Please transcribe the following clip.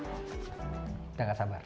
sudah gak sabar